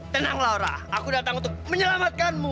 tenang laura aku datang untuk menyelamatkanmu